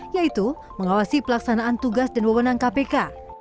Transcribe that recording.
yaitu mengawasi pelaksanaan tugas dan wewenang kpk